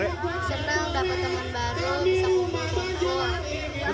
senang dapat teman baru bisa membangun